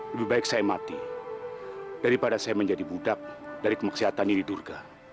lebih baik saya mati daripada saya menjadi budak dari kemaksiatannya di durga